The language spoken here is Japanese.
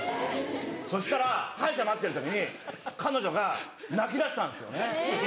そしたら歯医者待ってる時に彼女が泣き出したんですよね。